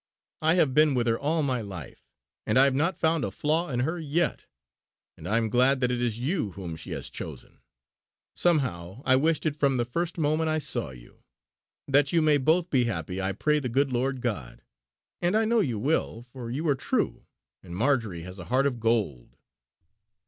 I have been with her all my life; and I have not found a flaw in her yet. And I am glad that it is you whom she has chosen. Somehow, I wished it from the first moment I saw you. That you may both be happy, I pray the good Lord God! And I know you will; for you are true, and Marjory has a heart of gold."